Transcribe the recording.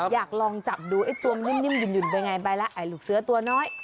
อยากลองจับดูตัวนิ่มหยุ่นไว้ไงไปละหลูกเสื้อตัวน้อย